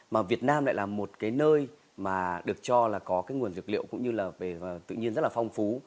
mà việt nam lại là một cái nơi mà được cho là có cái nguồn dược liệu cũng như là về tự nhiên rất là phong phú